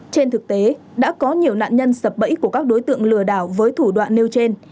trên thực tế đã có nhiều nạn nhân sập bẫy của các đối tượng lừa đảo với thủ đoạn nêu trên